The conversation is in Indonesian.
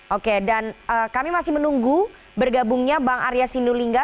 oke dan kami masih menunggu bergabungnya bang arya sinulinga